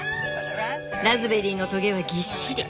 ラズベリーのとげはぎっしり。